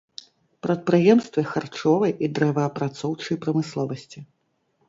Прадпрыемствы харчовай і дрэваапрацоўчай прамысловасці.